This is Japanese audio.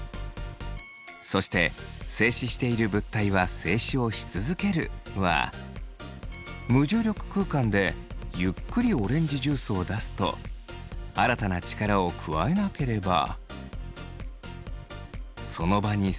そして「静止している物体は静止をし続ける」は無重力空間でゆっくりオレンジジュースを出すと新たな力を加えなければその場に静止し続けます。